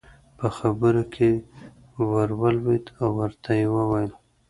په خبرو کې ور ولوېد او ورته ویې وویل.